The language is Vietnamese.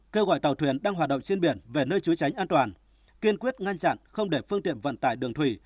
kêu gọi tàu thuyền đang hoạt động trên biển về nơi trú tránh an toàn kiên quyết ngăn chặn không để phương tiện vận tải đường thủy